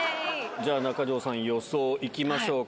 じゃあ、中条さん、予想いきましょうか。